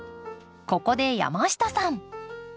ここで山下さん。